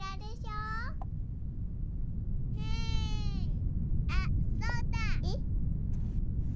うんあっそうだ！えっ？